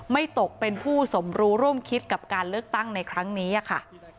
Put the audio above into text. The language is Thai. ตกเป็นผู้สมรู้ร่วมคิดกับการเลือกตั้งในครั้งนี้ค่ะ